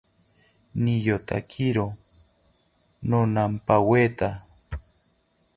Niyotakiro nomampaweta